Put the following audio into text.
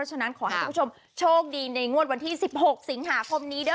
ฉะนั้นขอให้คุณผู้ชมโชคดีในงวดวันที่๑๖สิงหาคมนี้ด้วย